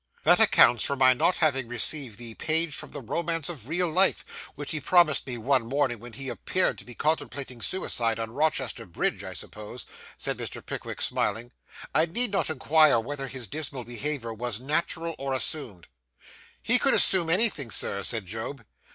'That accounts for my not having received the "page from the romance of real life," which he promised me one morning when he appeared to be contemplating suicide on Rochester Bridge, I suppose,' said Mr. Pickwick, smiling. 'I need not inquire whether his dismal behaviour was natural or assumed.' 'He could assume anything, Sir,' said Job.